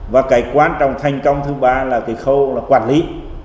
và cái quan trọng thành công thứ ba là cái khâu là quản lý